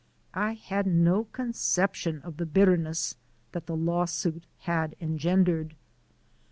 I had no conception of the bitterness that the lawsuit had engendered.